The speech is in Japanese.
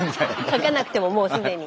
書かなくてももう既に。